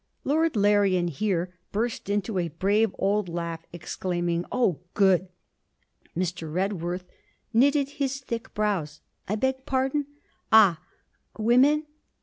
Lord Larrian here burst into a brave old laugh, exclaiming, 'Oh! good!' Mr. Redworth knitted his thick brows. 'I beg pardon? Ah! women!